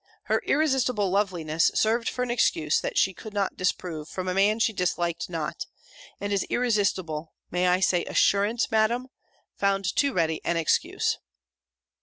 Her irresistible loveliness served for an excuse, that she could not disapprove from a man she disliked not: and his irresistible may I say, assurance, Madam? found too ready an excuse.